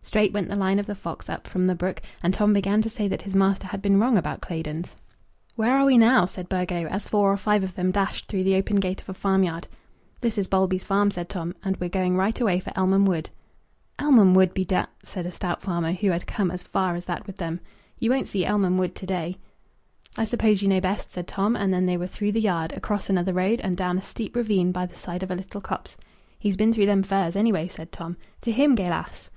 Straight went the line of the fox, up from the brook, and Tom began to say that his master had been wrong about Claydon's. "Where are we now?" said Burgo, as four or five of them dashed through the open gate of a farmyard. "This is Bulby's farm," said Tom, "and we're going right away for Elmham Wood." "Elmham Wood be d ," said a stout farmer, who had come as far as that with them. "You won't see Elmham Wood to day." "I suppose you know best," said Tom; and then they were through the yard, across another road, and down a steep ravine by the side of a little copse. "He's been through them firs, any way," said Tom. "To him, Gaylass!"